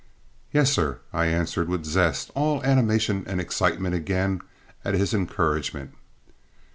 "Yes, sir," I answered with zest, all animation and excitement again at his encouragement.